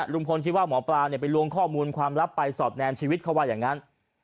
ลุงพลคิดว่าหมอปลาไปลวงข้อมูลความลับไปสอดแนมชีวิตเขาว่าอย่างนั้น